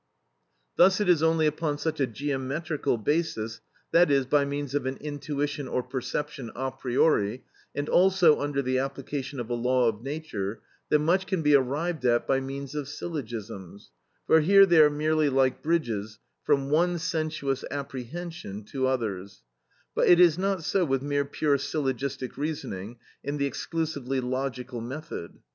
Thus it is only upon such a geometrical basis, that is, by means of an intuition or perception a priori, and also under the application of a law of nature, that much can be arrived at by means of syllogisms, for here they are merely like bridges from one sensuous apprehension to others; but it is not so with mere pure syllogistic reasoning in the exclusively logical method.